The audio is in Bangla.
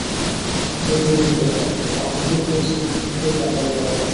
বইটি মূল্যবান, আমাকেই পৌঁছে দিতে হবে জাকারিয়ার কাছে।